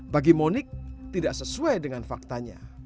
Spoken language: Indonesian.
bagi monik tidak sesuai dengan faktanya